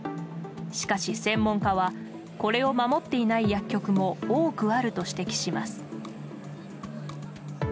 しかし専門家はこれを守っていない薬局も多くあると指摘します。